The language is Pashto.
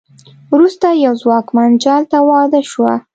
وروسته یوه ځواکمن جال ته واده شوه.